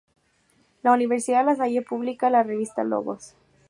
La Universidad La Salle publica la revista "Logos"